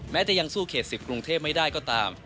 แม้จะยังสู้เขต๑๐กรุงเทพไม่ได้ก็ตาม